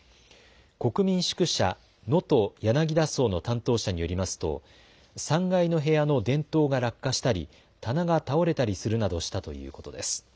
国民宿舎能登やなぎだ荘の担当者によりますと３階の部屋の電灯が落下したり棚が倒れたりするなどしたということです。